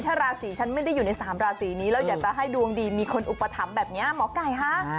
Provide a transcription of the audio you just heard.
ถ้าราศีฉันไม่ได้อยู่ใน๓ราศีนี้แล้วอยากจะให้ดวงดีมีคนอุปถัมภ์แบบนี้หมอไก่คะ